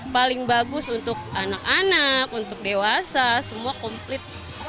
paling bagus untuk anak anak untuk dewasa semua komplit